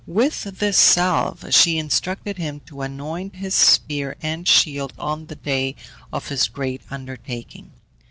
With this salve she instructed him to anoint his spear and shield on the day of his great undertaking.